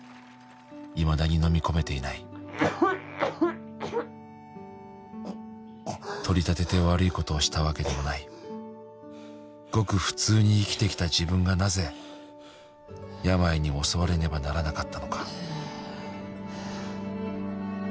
「いまだにのみ込めていない」「取り立てて悪いことをしたわけでもない」「ごく普通に生きてきた自分がなぜ」「病に襲われねばならなかったのか」